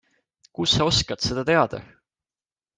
Kust sa oskad seda teada!